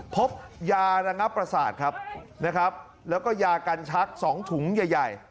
พบยาระงับประสาทครับนะครับแล้วก็ยากันชัก๒ถุงใหญ่